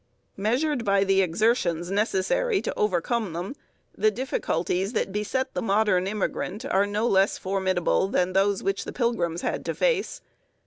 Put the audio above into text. Measured by the exertions necessary to overcome them, the difficulties that beset the modern immigrant are no less formidable than those which the Pilgrims had to face.